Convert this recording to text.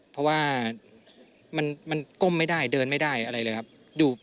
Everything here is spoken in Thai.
เพราะว่ามันก้มไม่ได้เดินไม่ได้อะไรเลยครับ